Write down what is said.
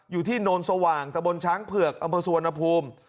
อยู่ที่นนสว่างตะบนฉังเผือกอัมพสวณภูมิ